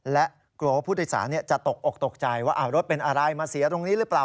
และกลัวว่าผู้โดยสารจะตกอกตกใจว่ารถเป็นอะไรมาเสียตรงนี้หรือเปล่า